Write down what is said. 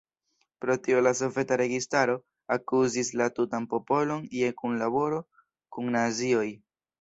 Pro tio la Soveta registaro akuzis la tutan popolon je kunlaboro kun Nazioj.